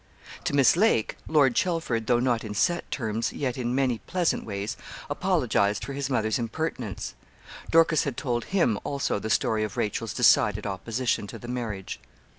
To Miss Lake, Lord Chelford, though not in set terms, yet in many pleasant ways, apologised for his mother's impertinence. Dorcas had told him also the story of Rachel's decided opposition to the marriage.